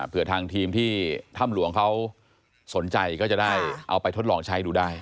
เพื่อทางทีมที่ถ้ำหลวงเขาสนใจก็จะได้เอาไปทดลองใช้ดูได้